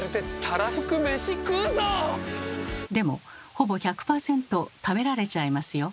でもほぼ１００％食べられちゃいますよ。